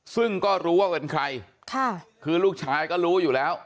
ซึ่งก็รู้ว่าเป็นใครค่ะคือลูกชายก็รู้อยู่แล้ว